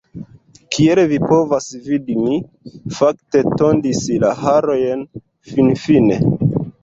Kiel vi povas vidi mi, fakte, tondis la harojn, finfine.